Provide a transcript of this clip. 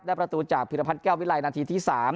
ได้ประตูจากผิดพันธ์แก้ววิไลน์นาทีที่๓